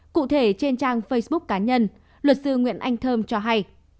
cụ thể trên trang facebook cá nhân luật sư nguyễn anh thơm cho hay